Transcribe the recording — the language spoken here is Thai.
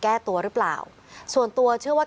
ก็มันยังไม่หมดวันหนึ่ง